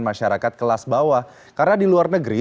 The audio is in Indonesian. masyarakat kelas bawah karena di luar negeri